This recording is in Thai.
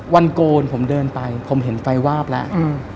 โกนผมเดินไปผมเห็นไฟวาบแล้ว